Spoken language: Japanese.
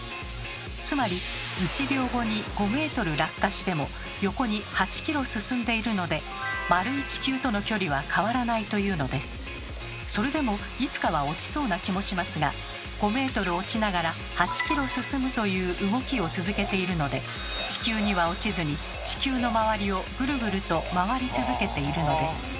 つまり１秒後に５ｍ落下しても横に８ｋｍ進んでいるので丸いそれでもいつかは落ちそうな気もしますが５ｍ落ちながら８ｋｍ進むという動きを続けているので地球には落ちずに地球の周りをぐるぐると回り続けているのです。